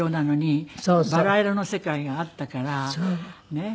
ねえ。